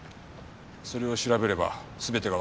それを調べれば全てがわかる。